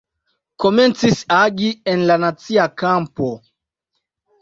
Komencis agi en la nacia kampo.